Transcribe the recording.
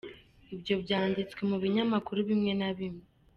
Ibyo byanditswe mu binyamakuru bimwe na bimwe.